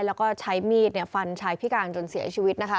แล้วก็ใช้มีดฟันชายพิการจนเสียชีวิตนะคะ